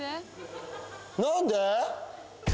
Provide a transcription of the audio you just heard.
何で？